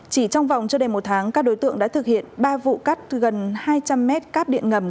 chỉ trong vòng chưa đầy một tháng các đối tượng đã thực hiện ba vụ cắt gần hai trăm linh mét cáp điện ngầm